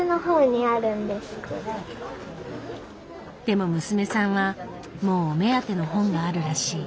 でも娘さんはもうお目当ての本があるらしい。